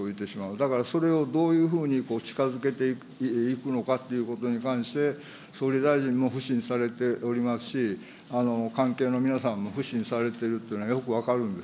だからそれをどういうふうに近づけていくのかということに関して、総理大臣もふしんされておりますし、関係の皆さんもふしんされているというのはよく分かるんです。